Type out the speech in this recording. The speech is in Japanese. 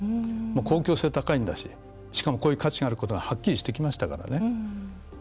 公共性が高いんだししかもこういう価値があることがはっきりしてきましたからね。